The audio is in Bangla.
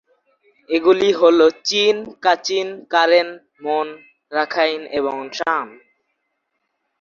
এগুলি হল Chin, Kachin, Karen, Mon, Rakhine, এবং শান।